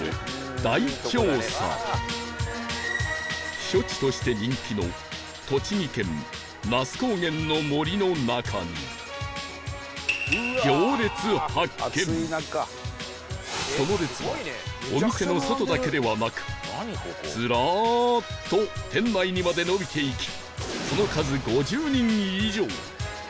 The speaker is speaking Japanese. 避暑地として人気のその列はお店の外だけではなくズラーッと店内にまで延びていきその数５０人以上